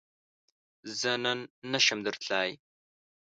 زۀ نن نشم درتلای